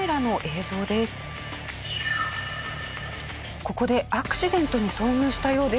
ここでアクシデントに遭遇したようです。